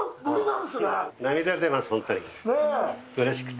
うれしくて。